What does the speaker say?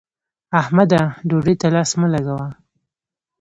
احمده! ډوډۍ ته لاس مه لګوه.